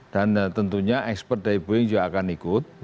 dan tentunya ekspert dari boeing juga akan ikut